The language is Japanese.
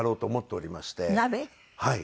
はい。